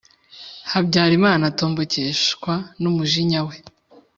habyarimana atombokeshwa n' umujinya we: